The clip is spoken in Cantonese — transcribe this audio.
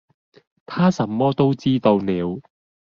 他什麼都知道了